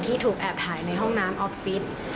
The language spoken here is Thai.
ถูกแอบถ่ายในห้องน้ำออฟฟิศ